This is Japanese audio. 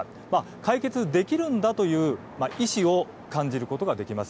解決できるんだという意思を感じることができます。